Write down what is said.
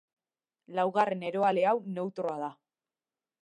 Laugarren eroale hau neutroa da.